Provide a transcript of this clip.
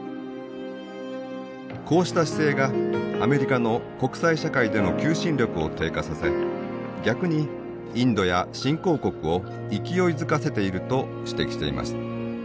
こうした姿勢がアメリカの国際社会での求心力を低下させ逆にインドや新興国を勢いづかせていると指摘しています。